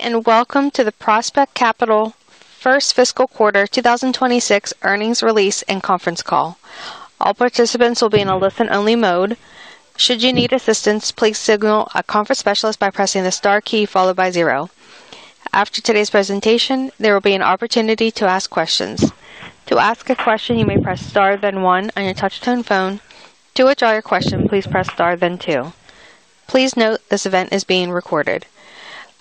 Today, and welcome to the Prospect Capital first fiscal quarter 2026 earnings release and conference call. All participants will be in a listen-only mode. Should you need assistance, please signal a conference specialist by pressing the star key followed by zero. After today's presentation, there will be an opportunity to ask questions. To ask a question, you may press star then one on your touch-tone phone. To withdraw your question, please press star then two. Please note this event is being recorded.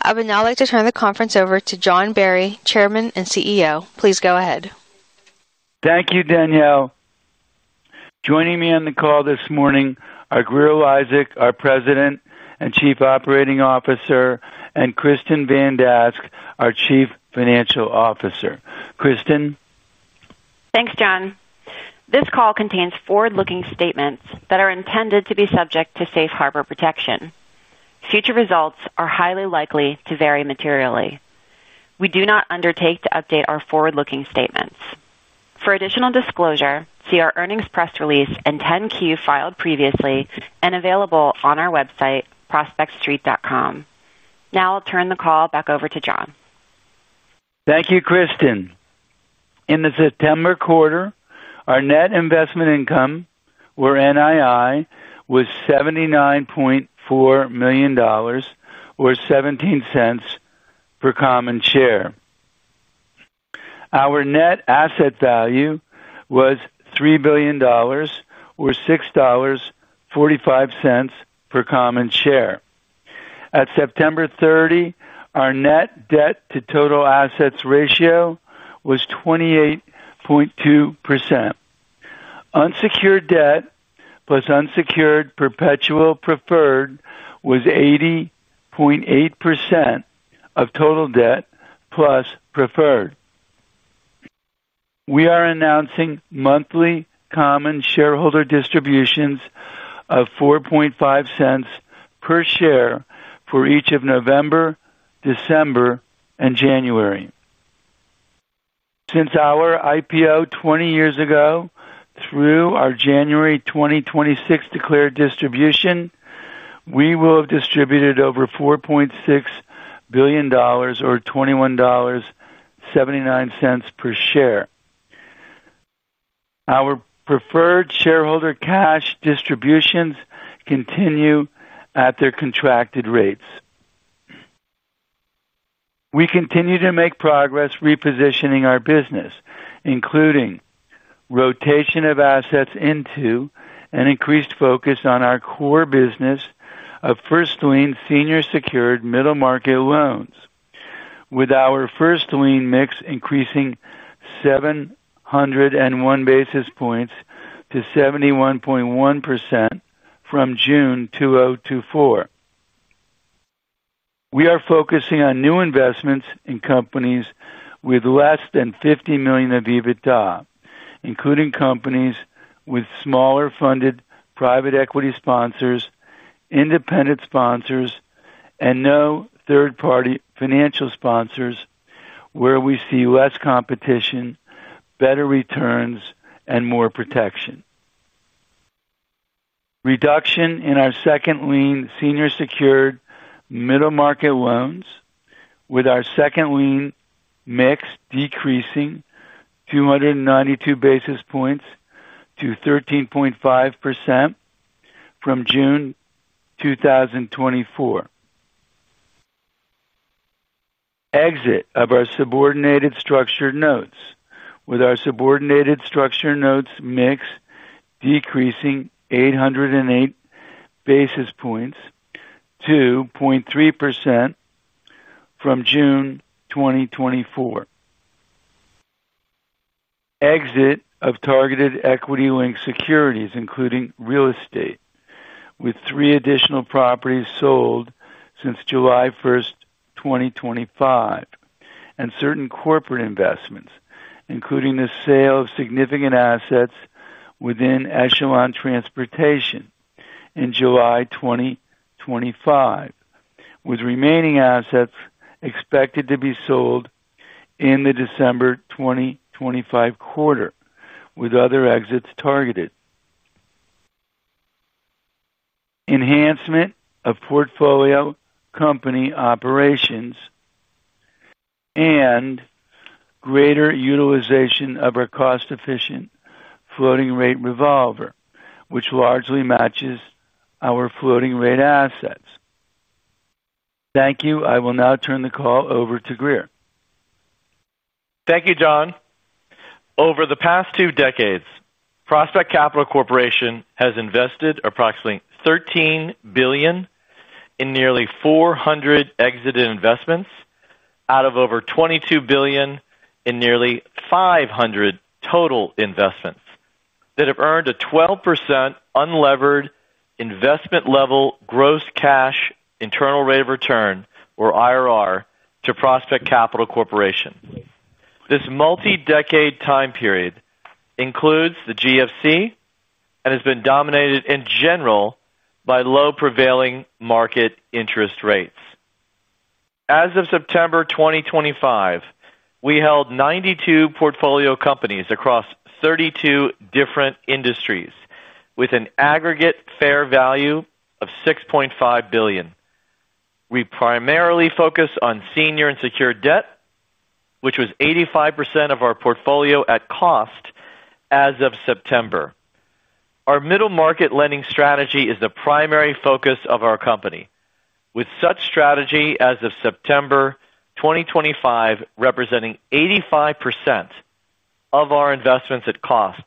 I would now like to turn the conference over to John Barry, Chairman and CEO. Please go ahead. Thank you, Danielle. Joining me on the call this morning are Grier Eliasek, our President and Chief Operating Officer, and Kristin Van Dask, our Chief Financial Officer. Kristin? Thanks, John. This call contains forward-looking statements that are intended to be subject to safe harbor protection. Future results are highly likely to vary materially. We do not undertake to update our forward-looking statements. For additional disclosure, see our earnings press release and 10Q filed previously and available on our website, prospectstreet.com. Now I'll turn the call back over to John. Thank you, Kristin. In the September quarter, our net investment income, or NII, was $79.4 million, or $0.17 per common share. Our net asset value was $3 billion, or $6.45 per common share. At September 30, our net debt to total assets ratio was 28.2%. Unsecured debt plus unsecured perpetual preferred was 80.8% of total debt plus preferred. We are announcing monthly common shareholder distributions of $0.045 per share for each of November, December, and January. Since our IPO 20 years ago, through our January 2026 declared distribution, we will have distributed over $4.6 billion, or $21.79 per share. Our preferred shareholder cash distributions continue at their contracted rates. We continue to make progress repositioning our business, including rotation of assets into and increased focus on our core business of first lien senior secured middle market loans, with our first lien mix increasing 701 basis points to 71.1% from June 2024. We are focusing on new investments in companies with less than $50 million of EBITDA, including companies with smaller funded private equity sponsors, independent sponsors, and no third-party financial sponsors, where we see less competition, better returns, and more protection. Reduction in our second lien senior secured middle market loans, with our second lien mix decreasing 292 basis points to 13.5% from June 2024. Exit of our subordinated structured notes, with our subordinated structured notes mix decreasing 808 basis points to 0.3% from June 2024. Exit of targeted equity-linked securities, including real estate, with three additional properties sold since July 1, 2025, and certain corporate investments, including the sale of significant assets within Echelon Transportation in July 2025, with remaining assets expected to be sold in the December 2025 quarter, with other exits targeted. Enhancement of portfolio company operations and greater utilization of our cost-efficient floating rate revolver, which largely matches our floating rate assets. Thank you. I will now turn the call over to Grier. Thank you, John. Over the past two decades, Prospect Capital Corporation has invested approximately $13 billion in nearly 400 exited investments, out of over $22 billion in nearly 500 total investments, that have earned a 12% unlevered investment level gross cash internal rate of return, or IRR, to Prospect Capital Corporation. This multi-decade time period includes the GFC and has been dominated in general by low prevailing market interest rates. As of September 2025, we held 92 portfolio companies across 32 different industries, with an aggregate fair value of $6.5 billion. We primarily focus on senior and secured debt, which was 85% of our portfolio at cost as of September. Our middle market lending strategy is the primary focus of our company, with such strategy as of September 2025 representing 85% of our investments at cost,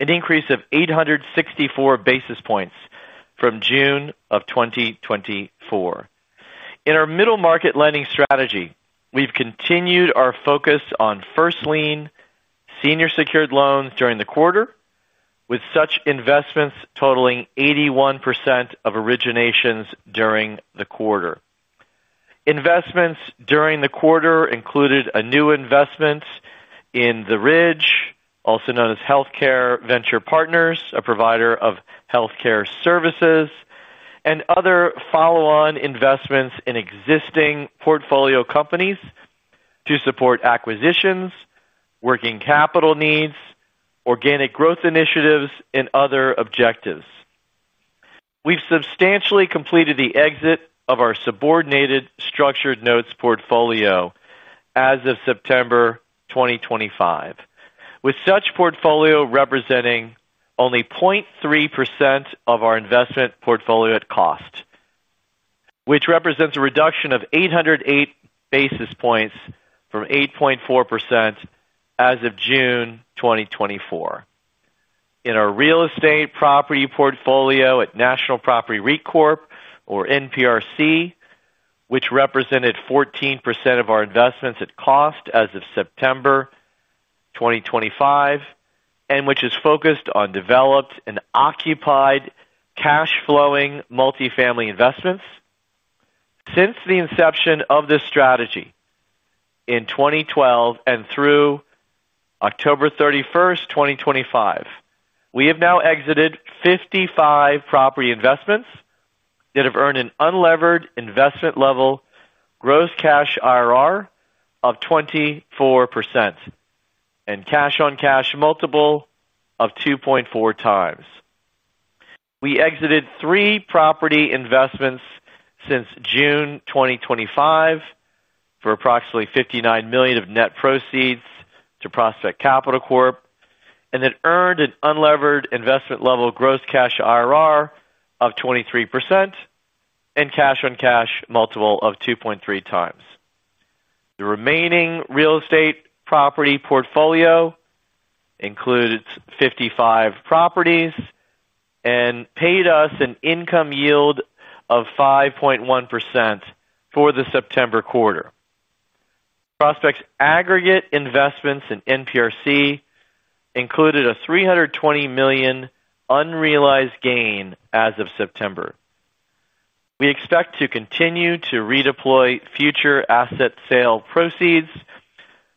an increase of 864 basis points from June of 2024. In our middle market lending strategy, we've continued our focus on first lien senior secured loans during the quarter, with such investments totaling 81% of originations during the quarter. Investments during the quarter included a new investment in The Ridge, also known as Healthcare Venture Partners, a provider of healthcare services, and other follow-on investments in existing portfolio companies to support acquisitions, working capital needs, organic growth initiatives, and other objectives. We've substantially completed the exit of our subordinated structured notes portfolio as of September 2025, with such portfolio representing only 0.3% of our investment portfolio at cost, which represents a reduction of 808 basis points from 8.4% as of June 2024. In our real estate property portfolio at National Property REIT Corp, or NPRC, which represented 14% of our investments at cost as of September 2025, and which is focused on developed and occupied cash-flowing multifamily investments, since the inception of this strategy in 2012 and through October 31, 2025, we have now exited 55 property investments that have earned an unlevered investment level gross cash IRR of 24% and cash-on-cash multiple of 2.4 times. We exited three property investments since June 2025 for approximately $59 million of net proceeds to Prospect Capital, and that earned an unlevered investment level gross cash IRR of 23% and cash-on-cash multiple of 2.3 times. The remaining real estate property portfolio includes 55 properties and paid us an income yield of 5.1% for the September quarter. Prospect's aggregate investments in NPRC included a $320 million unrealized gain as of September. We expect to continue to redeploy future asset sale proceeds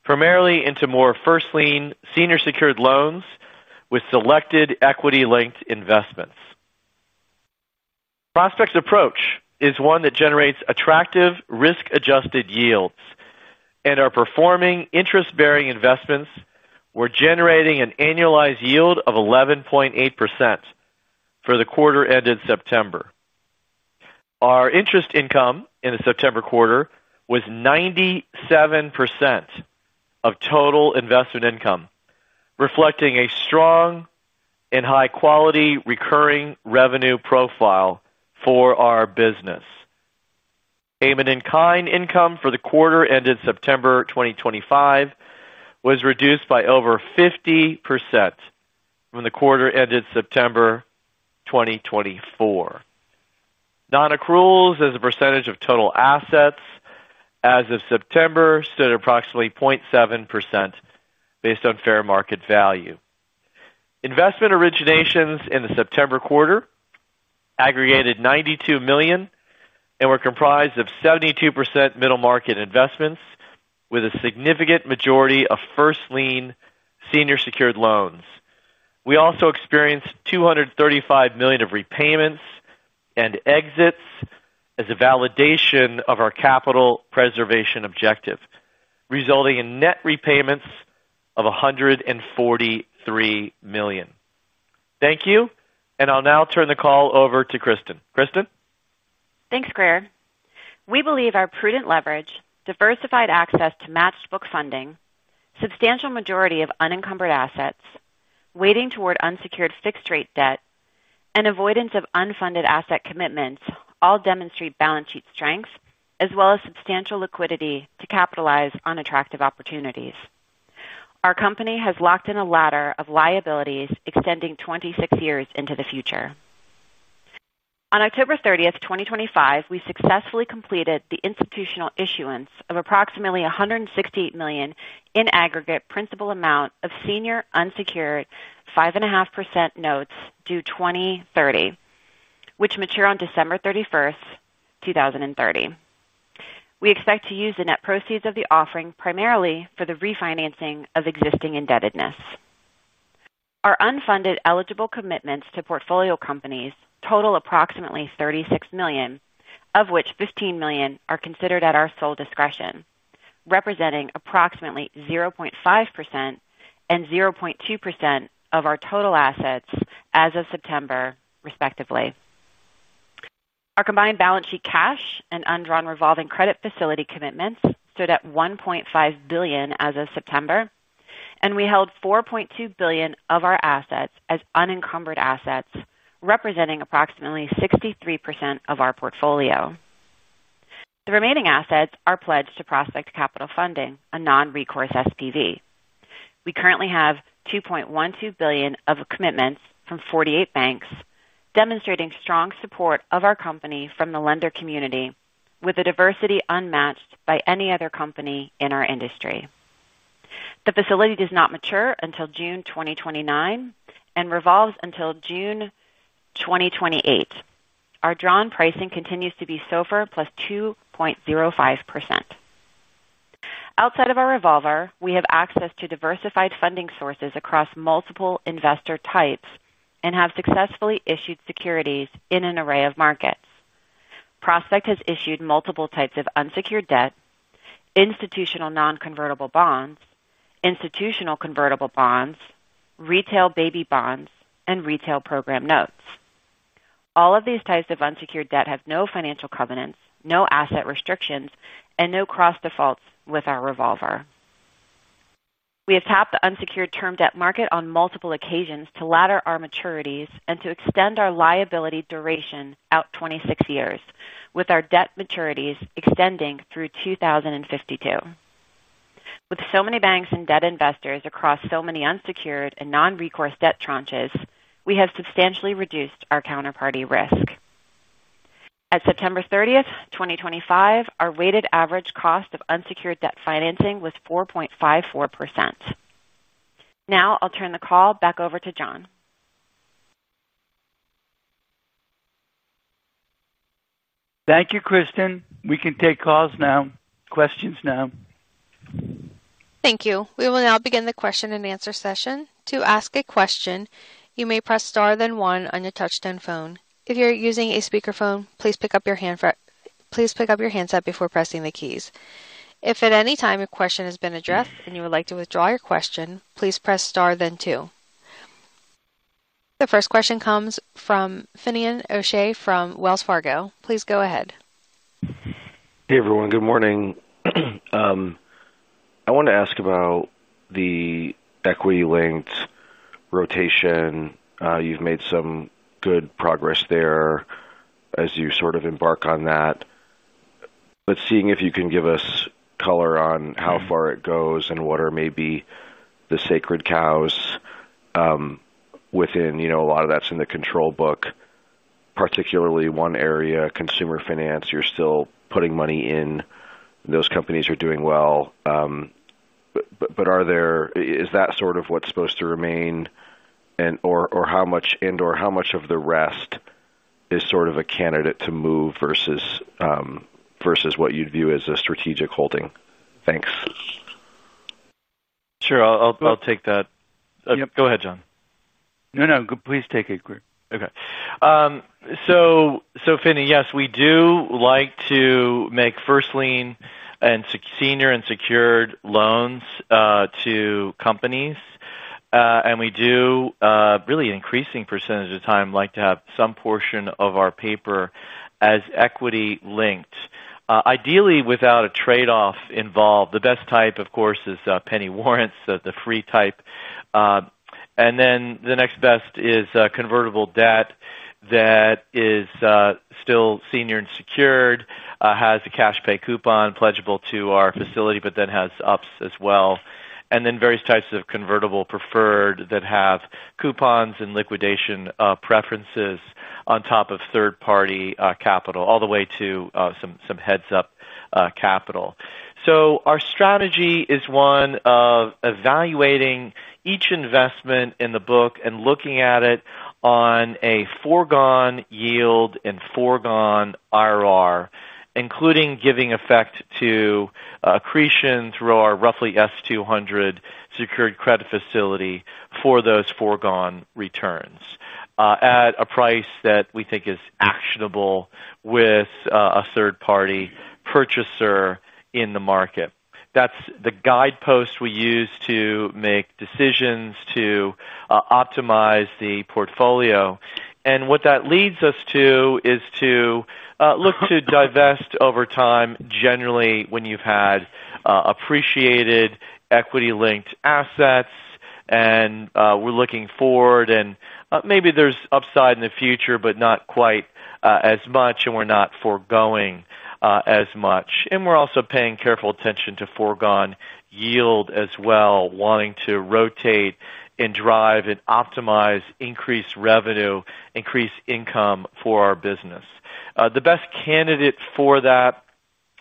primarily into more first lien senior secured loans with selected equity-linked investments. Prospect's approach is one that generates attractive risk-adjusted yields and our performing interest-bearing investments were generating an annualized yield of 11.8% for the quarter-ended September. Our interest income in the September quarter was 97% of total investment income, reflecting a strong and high-quality recurring revenue profile for our business. Payment in kind income for the quarter-ended September 2025 was reduced by over 50% from the quarter-ended September 2024. Non-accruals as a percentage of total assets as of September stood at approximately 0.7% based on fair market value. Investment originations in the September quarter aggregated $92 million and were comprised of 72% middle market investments, with a significant majority of first lien senior secured loans. We also experienced $235 million of repayments and exits as a validation of our capital preservation objective, resulting in net repayments of $143 million. Thank you, and I'll now turn the call over to Kristin. Kristin? Thanks, Grier. We believe our prudent leverage, diversified access to matched book funding, substantial majority of unencumbered assets, weighting toward unsecured fixed-rate debt, and avoidance of unfunded asset commitments all demonstrate balance sheet strength, as well as substantial liquidity to capitalize on attractive opportunities. Our company has locked in a ladder of liabilities extending 26 years into the future. On October 30, 2025, we successfully completed the institutional issuance of approximately $168 million in aggregate principal amount of senior unsecured 5.5% notes due 2030, which mature on December 31, 2030. We expect to use the net proceeds of the offering primarily for the refinancing of existing indebtedness. Our unfunded eligible commitments to portfolio companies total approximately $36 million, of which $15 million are considered at our sole discretion, representing approximately 0.5% and 0.2% of our total assets as of September, respectively. Our combined balance sheet cash and undrawn revolving credit facility commitments stood at $1.5 billion as of September, and we held $4.2 billion of our assets as unencumbered assets, representing approximately 63% of our portfolio. The remaining assets are pledged to Prospect Capital Funding, a non-recourse SPV. We currently have $2.12 billion of commitments from 48 banks, demonstrating strong support of our company from the lender community, with a diversity unmatched by any other company in our industry. The facility does not mature until June 2029 and revolves until June 2028. Our drawn pricing continues to be SOFR plus 2.05%. Outside of our revolver, we have access to diversified funding sources across multiple investor types and have successfully issued securities in an array of markets. Prospect has issued multiple types of unsecured debt, institutional non-convertible bonds, institutional convertible bonds, retail baby bonds, and retail program notes. All of these types of unsecured debt have no financial covenants, no asset restrictions, and no cross-defaults with our revolver. We have tapped the unsecured term debt market on multiple occasions to ladder our maturities and to extend our liability duration out 26 years, with our debt maturities extending through 2052. With so many banks and debt investors across so many unsecured and non-recourse debt tranches, we have substantially reduced our counterparty risk. At September 30, 2025, our weighted average cost of unsecured debt financing was 4.54%. Now I'll turn the call back over to John. Thank you, Kristin. We can take questions now. Thank you. We will now begin the question and answer session. To ask a question, you may press star then one on your touch-tone phone. If you're using a speakerphone, please pick up your handset before pressing the keys. If at any time your question has been addressed and you would like to withdraw your question, please press star then two. The first question comes from Finian O'Shea from Wells Fargo. Please go ahead. Hey, everyone. Good morning. I want to ask about the equity-linked rotation. You've made some good progress there as you sort of embark on that, but seeing if you can give us color on how far it goes and what are maybe the sacred cows within a lot of that's in the control book, particularly one area, consumer finance. You're still putting money in. Those companies are doing well. Is that sort of what's supposed to remain, and/or how much of the rest is sort of a candidate to move versus what you'd view as a strategic holding? Thanks. Sure. I'll take that. Go ahead, John. No, no. Please take it, Grier. Okay. So, Finian, yes, we do like to make first lien and senior and secured loans to companies, and we do really increasing percentage of time like to have some portion of our paper as equity linked, ideally without a trade-off involved. The best type, of course, is penny warrants, the free type. The next best is convertible debt that is still senior and secured, has a cash pay coupon pledgeable to our facility, but then has ups as well. Then various types of convertible preferred that have coupons and liquidation preferences on top of third-party capital, all the way to some heads-up capital. Our strategy is one of evaluating each investment in the book and looking at it on a foregone yield and foregone IRR, including giving effect to accretion through our roughly $200 secured credit facility for those foregone returns at a price that we think is actionable with a third-party purchaser in the market. That's the guidepost we use to make decisions to optimize the portfolio. What that leads us to is to look to divest over time, generally when you've had appreciated equity-linked assets, and we're looking forward, and maybe there's upside in the future, but not quite as much, and we're not foregoing as much. We're also paying careful attention to foregone yield as well, wanting to rotate and drive and optimize increased revenue, increased income for our business. The best candidate for that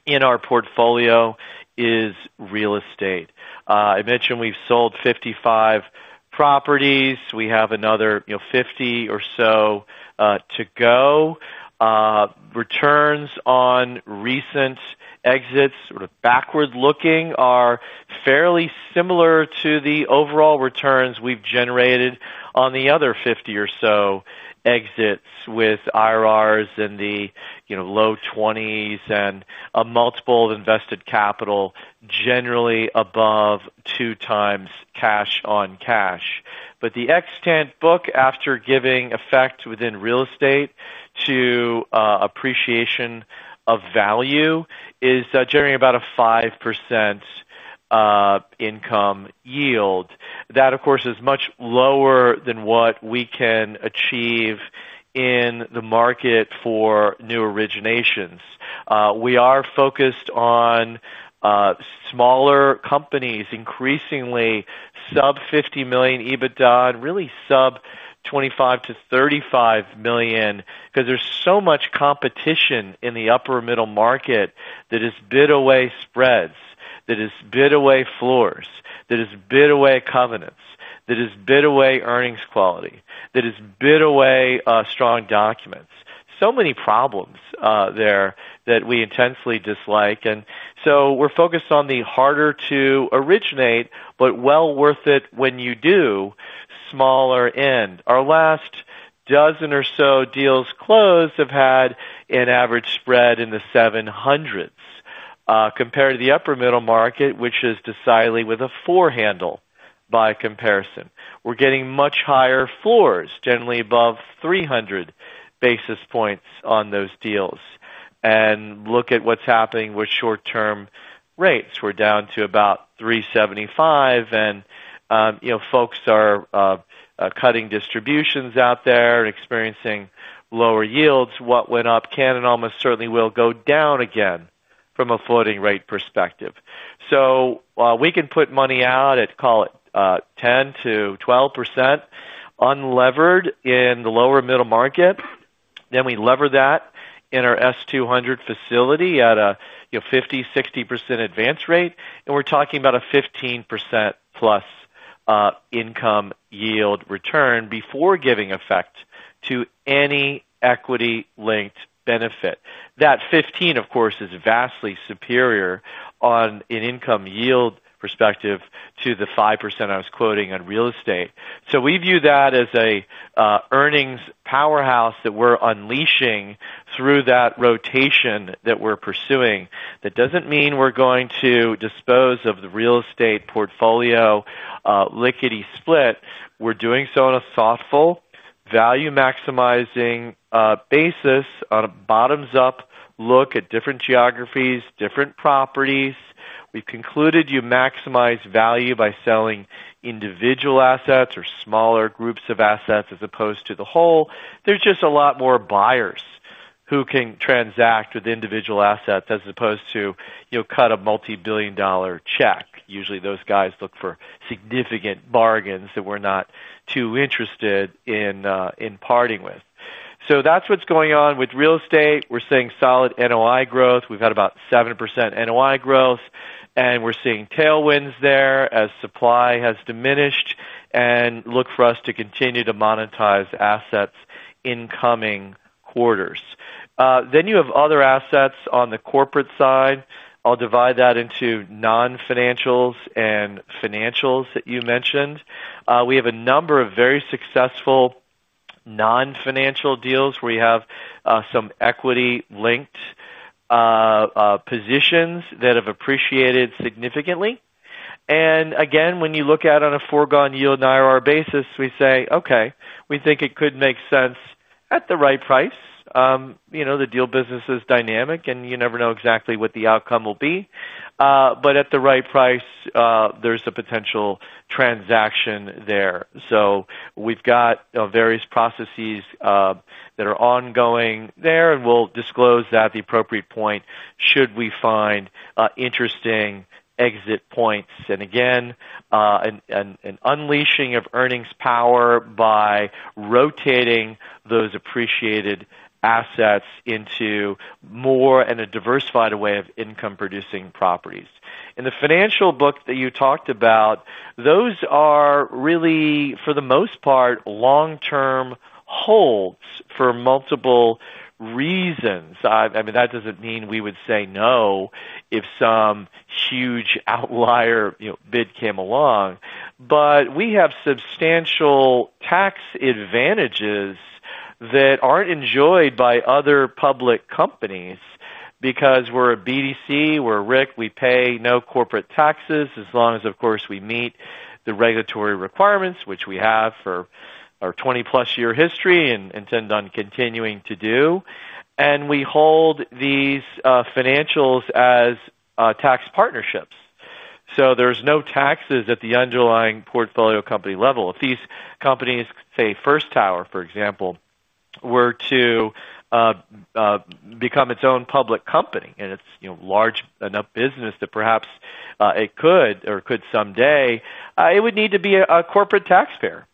in our portfolio is real estate. I mentioned we've sold 55 properties. We have another 50 or so to go. Returns on recent exits, sort of backward-looking, are fairly similar to the overall returns we've generated on the other 50 or so exits with IRRs in the low 20% and a multiple of invested capital, generally above two times cash on cash. The extant book, after giving effect within real estate to appreciation of value, is generating about a 5% income yield. That, of course, is much lower than what we can achieve in the market for new originations. We are focused on smaller companies, increasingly sub-$50 million EBITDA, and really sub-$25 million to $35 million, because there's so much competition in the upper middle market that has bid away spreads, that has bid away floors, that has bid away covenants, that has bid away earnings quality, that has bid away strong documents. so many problems there that we intensely dislike. We are focused on the harder to originate, but well worth it when you do, smaller end. Our last dozen or so deals closed have had an average spread in the 700s compared to the upper middle market, which is decidedly with a four handle by comparison. We are getting much higher floors, generally above 300 basis points on those deals. Look at what is happening with short-term rates. We are down to about 375, and folks are cutting distributions out there and experiencing lower yields. What went up can and almost certainly will go down again from a floating rate perspective. We can put money out at, call it, 10-12% unlevered in the lower middle market. We lever that in our S200 facility at a 50-60% advance rate, and we're talking about a 15% plus income yield return before giving effect to any equity-linked benefit. That 15%, of course, is vastly superior on an income yield perspective to the 5% I was quoting on real estate. We view that as an earnings powerhouse that we're unleashing through that rotation that we're pursuing. That doesn't mean we're going to dispose of the real estate portfolio liquidity split. We're doing so on a thoughtful, value-maximizing basis on a bottoms-up look at different geographies, different properties. We've concluded you maximize value by selling individual assets or smaller groups of assets as opposed to the whole. There's just a lot more buyers who can transact with individual assets as opposed to cut a multi-billion dollar check. Usually, those guys look for significant bargains that we're not too interested in parting with. That is what's going on with real estate. We're seeing solid NOI growth. We've had about 7% NOI growth, and we're seeing tailwinds there as supply has diminished and look for us to continue to monetize assets in coming quarters. You have other assets on the corporate side. I'll divide that into non-financials and financials that you mentioned. We have a number of very successful non-financial deals where we have some equity linked positions that have appreciated significantly. Again, when you look at it on a foregone yield and IRR basis, we say, "Okay, we think it could make sense at the right price." The deal business is dynamic, and you never know exactly what the outcome will be. At the right price, there's a potential transaction there. We've got various processes that are ongoing there, and we'll disclose that at the appropriate point should we find interesting exit points. Again, an unleashing of earnings power by rotating those appreciated assets into more and a diversified way of income-producing properties. In the financial book that you talked about, those are really, for the most part, long-term holds for multiple reasons. I mean, that doesn't mean we would say no if some huge outlier bid came along. We have substantial tax advantages that aren't enjoyed by other public companies because we're a BDC, we're a RIC, we pay no corporate taxes as long as, of course, we meet the regulatory requirements, which we have for our 20+ year history and intend on continuing to do. We hold these financials as tax partnerships. There's no taxes at the underlying portfolio company level. If these companies, say, First Tower, for example, were to become its own public company and it's large enough business that perhaps it could or could someday, it would need to be a corporate taxpayer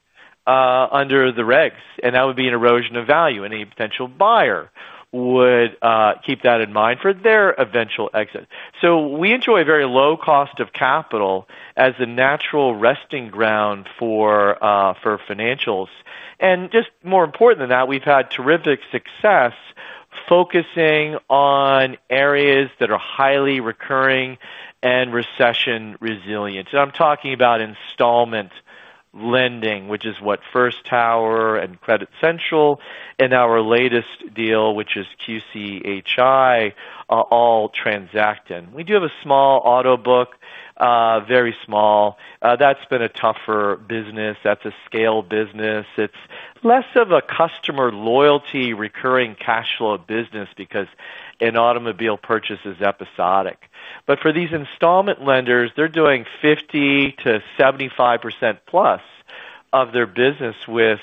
under the regs, and that would be an erosion of value. Any potential buyer would keep that in mind for their eventual exit. We enjoy a very low cost of capital as a natural resting ground for financials. More important than that, we've had terrific success focusing on areas that are highly recurring and recession resilient. I'm talking about installment lending, which is what First Tower and Credit Central and our latest deal, which is QCHI, are all transacting. We do have a small auto book, very small. That's been a tougher business. That's a scale business. It's less of a customer loyalty, recurring cash flow business because an automobile purchase is episodic. For these installment lenders, they're doing 50-75% plus of their business with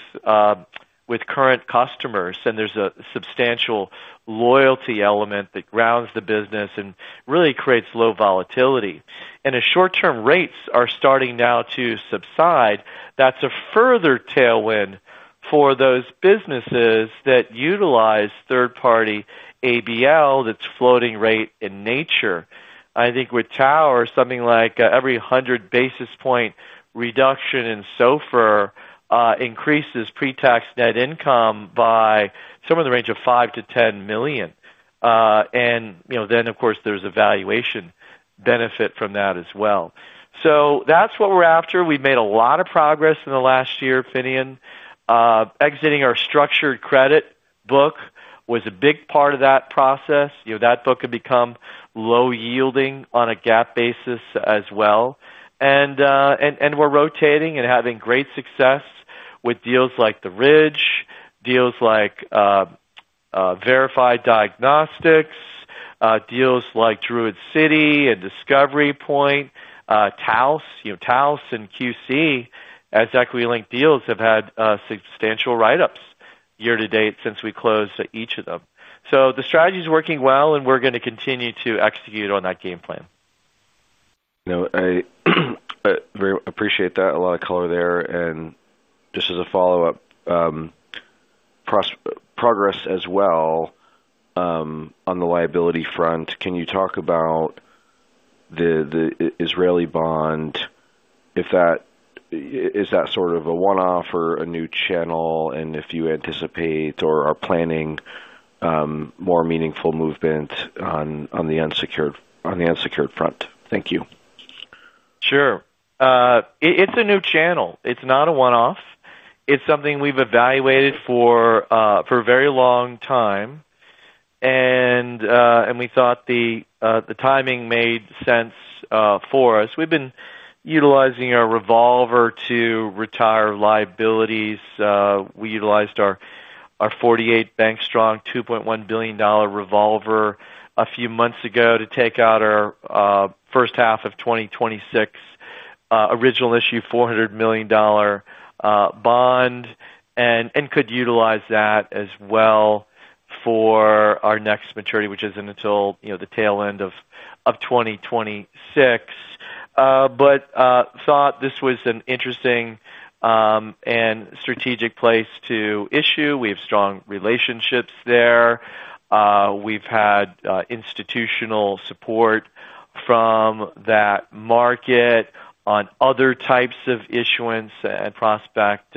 current customers. There's a substantial loyalty element that grounds the business and really creates low volatility. As short-term rates are starting now to subside, that's a further tailwind for those businesses that utilize third-party ABL that's floating rate in nature. I think with Tower, something like every 100 basis point reduction in SOFR increases pre-tax net income by somewhere in the range of $5 million-$10 million. Of course, there's a valuation benefit from that as well. That's what we're after. We've made a lot of progress in the last year, Finian. Exiting our structured credit book was a big part of that process. That book had become low yielding on a GAAP basis as well. We are rotating and having great success with deals like The Ridge, deals like Verified Diagnostics, deals like Druid City and Discovery Point, Towse and QCHI as equity-linked deals have had substantial write-ups year to date since we closed each of them. The strategy is working well, and we are going to continue to execute on that game plan. I very appreciate that. A lot of color there. Just as a follow-up, progress as well on the liability front. Can you talk about the Israeli bond? Is that sort of a one-off or a new channel? If you anticipate or are planning more meaningful movements on the unsecured front? Thank you. Sure. It's a new channel. It's not a one-off. It's something we've evaluated for a very long time, and we thought the timing made sense for us. We've been utilizing our revolver to retire liabilities. We utilized our 48-bank-strong $2.1 billion revolver a few months ago to take out our first half of 2026 original issue $400 million bond and could utilize that as well for our next maturity, which isn't until the tail end of 2026. This was an interesting and strategic place to issue. We have strong relationships there. We've had institutional support from that market on other types of issuance and Prospect.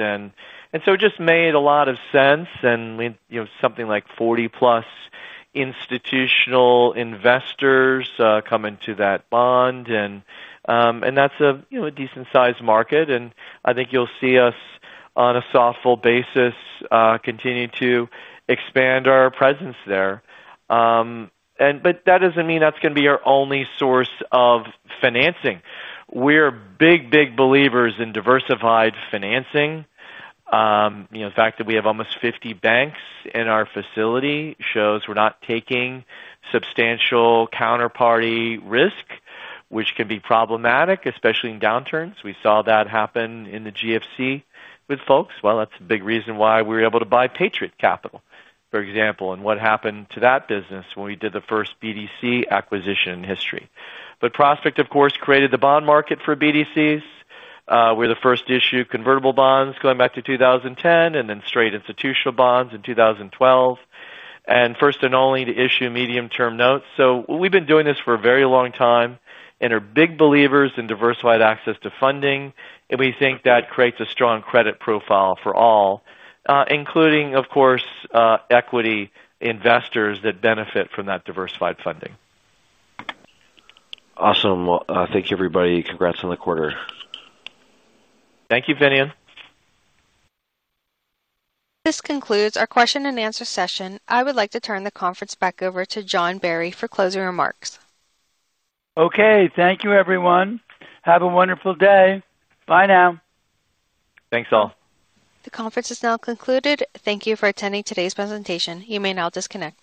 It just made a lot of sense. Something like 40+ institutional investors came into that bond. That's a decent-sized market. I think you'll see us on a thoughtful basis continue to expand our presence there. That does not mean that is going to be our only source of financing. We are big, big believers in diversified financing. The fact that we have almost 50 banks in our facility shows we are not taking substantial counterparty risk, which can be problematic, especially in downturns. We saw that happen in the GFC with folks. That is a big reason why we were able to buy Patriot Capital, for example, and what happened to that business when we did the first BDC acquisition in history. Prospect, of course, created the bond market for BDCs. We are the first to issue convertible bonds going back to 2010 and then straight institutional bonds in 2012 and first and only to issue medium-term notes. We have been doing this for a very long time and are big believers in diversified access to funding. We think that creates a strong credit profile for all, including, of course, equity investors that benefit from that diversified funding. Awesome. Thank you, everybody. Congrats on the quarter. Thank you, Finian. This concludes our question and answer session. I would like to turn the conference back over to John Barry for closing remarks. Okay. Thank you, everyone. Have a wonderful day. Bye now. Thanks, all. The conference is now concluded. Thank you for attending today's presentation. You may now disconnect.